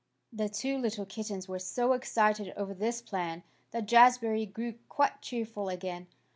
The two little kittens were so excited over this plan that Jazbury grew quite cheerful again.